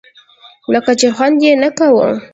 لکه چې خوند یې نه کاوه.